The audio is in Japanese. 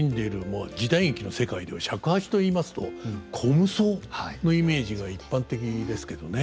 まあ時代劇の世界では尺八といいますと虚無僧のイメージが一般的ですけどね。